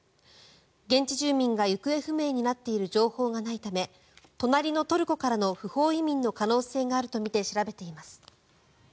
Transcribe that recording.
現地住民が行方不明になっている情報がないため隣のトルコからの不法移民の可能性があるとみて調べています。